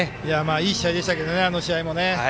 いい試合でしたけどねあの試合も。